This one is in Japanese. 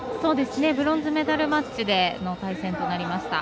ブロンズメダルでの対戦となりました。